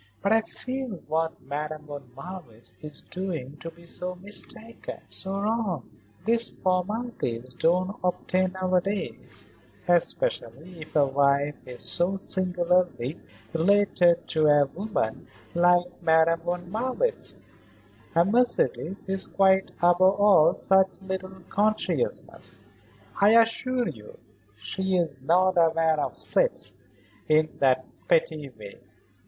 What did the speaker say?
"But I feel what Madame von Marwitz is doing to be so mistaken, so wrong." "These formalities don't obtain nowadays, especially if a wife is so singularly related to a woman like Madame von Marwitz. And Mercedes is quite above all such little consciousnesses, I assure you. She is not aware of sets, in that petty way.